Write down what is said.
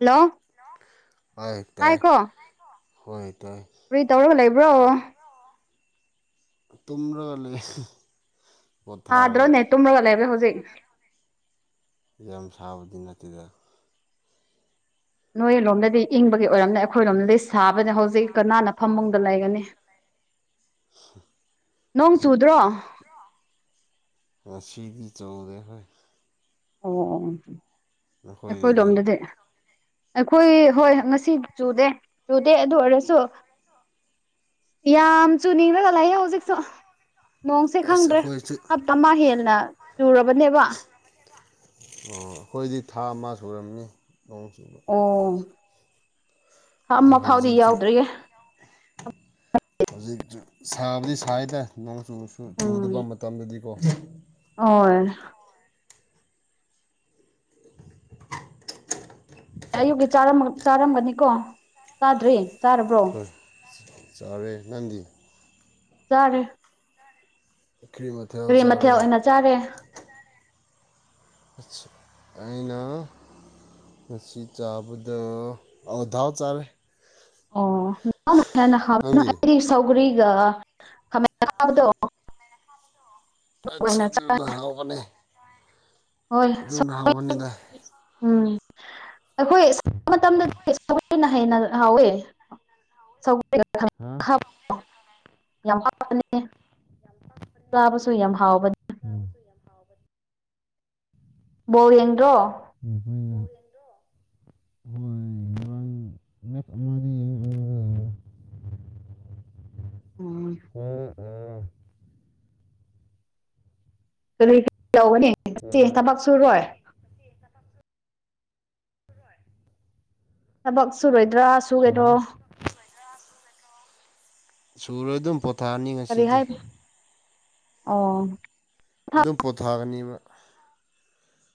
hello hello ꯍꯣꯏ ꯇꯥꯏ ꯇꯥꯏꯀꯣ ꯍꯣꯏ ꯇꯥꯏ ꯀꯔ꯭ꯤ ꯇꯧꯔꯒꯥ ꯂꯩꯕꯔ꯭ꫭ ꯇꯨꯝꯔ ꯂꯩ ꯁꯥꯗꯔꯣ ꯄꯣꯊꯥꯔꯒ ꯅꯦ ꯇꯨꯝꯔꯒ ꯂꯩꯕꯗꯣ ꯍꯨꯖꯤꯛ ꯌꯥꯝ ꯁꯥꯕꯗꯤ ꯅꯠꯇꯦꯗ ꯅꯣꯏꯔꯣꯝꯗꯗꯤ ꯏꯪꯕꯒꯤ ꯑꯣꯏꯔꯝꯅꯤ ꯑꯩꯈꯣꯏꯔꯣꯝꯗꯗꯤ ꯁꯥꯕꯅ ꯍꯧꯖꯤꯛ ꯀꯅꯥꯅ ꯐꯃꯨꯡꯗ ꯂꯩꯒꯅꯤ ꯅꯣꯡ ꯆꯨꯗ꯭ꯔꯣ ꯉꯁꯤꯗꯤ ꯆꯨꯗꯦꯍꯦ ꯑꯣ ꯑꯣ ꯑꯩꯈꯣꯏ ꯅꯈꯣꯏꯗꯗꯤ ꯂꯣꯝꯗꯗꯤ ꯑꯩꯈꯣꯏ ꯍꯣꯏ ꯉꯁꯤ ꯆꯨꯗꯦ ꯆꯨꯗꯦ ꯑꯗꯨ ꯑꯣꯏꯔꯁꯨ ꯌꯥꯝ ꯆꯨꯅꯤꯡꯔꯒ ꯂꯩꯌꯦ ꯍꯧꯖꯤꯛꯁꯨ ꯅꯣꯡꯁꯦ ꯑꯁ ꯈꯪꯗ꯭ꯔꯦ ꯑꯩꯈꯣꯏꯁꯨ ꯍꯞ ꯇ ꯃ ꯍꯦꯟꯅ ꯆꯨꯔꯕꯅꯦꯕ ꯑꯣ ꯑꯩꯈꯣꯏꯗꯤ ꯊꯥ ꯑꯃ ꯁꯨꯨꯔꯝꯅꯤ ꯅꯣꯡ ꯆꯨꯕ ꯑꯣꯝ ꯊꯥ ꯑꯗꯨ ꯑꯃ ꯐꯥꯎꯗꯤ ꯍꯧꯖꯤꯛꯁꯨ ꯌꯧꯗ꯭ꯔꯤꯌꯦ ꯍꯧꯖꯤꯛꯆꯨ ꯁꯥꯕꯗꯤ ꯁꯥꯏꯗ ꯅꯣꯡ ꯆꯨꯔꯁꯨ ꯎꯝ ꯆꯨꯗꯕ ꯃꯇꯝꯗꯗꯤꯀꯣ ꯍꯣꯏ ꯑꯌꯨꯛꯀꯤ ꯆꯥꯔꯝꯃ ꯆꯥꯔꯝꯒꯅꯤꯀꯣ ꯆꯥꯗ꯭ꯔꯤ ꯆꯥꯔꯕ꯭ꯔꯣ ꯍꯣꯏ ꯆꯥꯔꯦ ꯅꯪꯗꯤ ꯆꯥꯔꯦ ꯀ꯭ꯔꯤ ꯃꯥ ꯀꯔꯤ ꯃꯊꯦꯜ ꯑꯣꯏꯅ ꯆꯥꯔꯦ [inaudible] ꯑꯩꯅ ꯉꯁꯤ ꯆꯥꯕꯗꯣ ꯑꯥ ꯗꯥꯥꯜ ꯆꯥꯔꯦ ꯑꯣ [unintelligible] ꯅꯪꯗꯤ ꯑꯩꯗꯤ ꯁꯧꯒꯔꯤꯒ ꯈꯥꯃꯦꯟ ꯑꯈꯥꯕꯗꯣ ꯑꯥꯆ ꯑꯣꯏꯅ ꯆꯥꯏ ꯑꯗꯨꯅ ꯍꯥꯎꯕꯅꯤ ꯍꯣꯏ ꯁꯧ [unintelligible] ꯎꯝ ꯑꯩꯈꯣꯏ ꯃꯇꯝꯗꯗꯤ [unintelligible] ꯁꯧꯒ꯭ꯔꯤꯅ ꯍꯦꯟꯅ ꯍꯥꯎꯋꯦ ꯁꯧ [unintelligible] ꯍꯥꯥ [unintelligible] ꯆꯥꯕꯁꯨ ꯌꯥꯝ ꯍꯥꯎꯕꯅꯤ ꯕꯣꯜ ꯌꯦꯡꯗ꯭ꯔꯣ [unintelligible] [inaudible] [unintelligible] [unintelligible] [unintelligible] [unintelligible] ꯊꯕꯛ ꯁꯨꯔꯣꯏ ꯊꯕꯛ ꯁꯨꯨꯔꯣꯏꯗ꯭ꯔꯥ ꯁꯨꯔꯔꯣ ꯁꯨꯨꯔꯣꯏ ꯑꯗꯨꯝ ꯄꯣꯊ ꯀꯔꯤ ꯍꯥꯏ ꯑꯣ ꯑꯗꯨꯝ ꯄꯣꯊꯥꯒꯅꯦꯕ